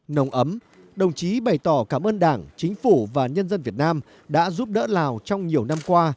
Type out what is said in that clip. nồng ấm đồng chí bày tỏ cảm ơn đảng chính phủ và nhân dân việt nam đã giúp đỡ lào trong nhiều năm qua